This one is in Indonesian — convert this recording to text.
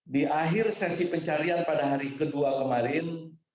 di akhir sesi pencarian pada hari ke dua kemarin